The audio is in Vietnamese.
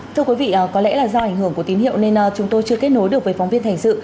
thưa quý vị có lẽ là do ảnh hưởng của tín hiệu nên chúng tôi chưa kết nối được với phóng viên thành sự